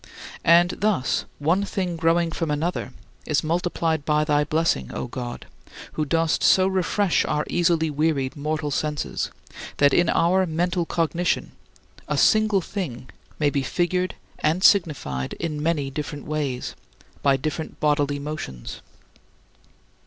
And thus one thing growing from another is multiplied by thy blessing, O God, who dost so refresh our easily wearied mortal senses that in our mental cognition a single thing may be figured and signified in many different ways by different bodily motions.